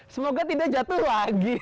semoga tidak jatuh lagi